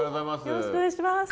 よろしくお願いします。